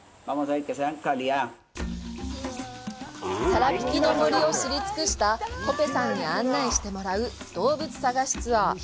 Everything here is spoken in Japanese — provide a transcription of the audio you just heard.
サラピキの森を知り尽くしたコペさんに案内してもらう動物探しツアー。